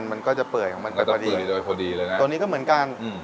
มันก็จะเปื่อยของมันจะพอดีโดยพอดีเลยนะตัวนี้ก็เหมือนกันอืม